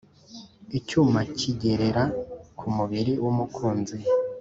Icyuma kigerera ku mubiri w’umukinzi